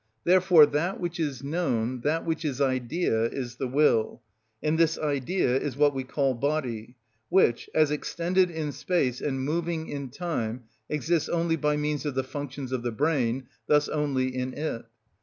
Therefore that which is known, that which is idea, is the will; and this idea is what we call body, which, as extended in space and moving in time, exists only by means of the functions of the brain, thus only in it.